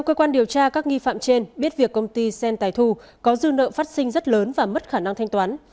có dư nợ phát sinh rất lớn và mất khả năng thanh toán